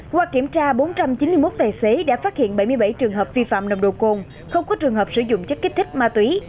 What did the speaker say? qua kiểm tra bốn trăm chín mươi một tài xế đã phát hiện bảy mươi bảy trường hợp vi phạm nồng độ cồn không có trường hợp sử dụng chất kích thích ma túy